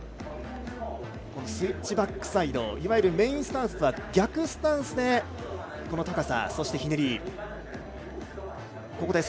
スイッチバックサイドいわゆるメインスタンスとは逆スタンスでこの高さ、ひねり。